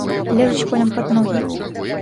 Лезуць коням пад ногі.